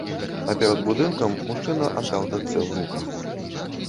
А перад будынкам мужчына аддаў дачцэ ўнука.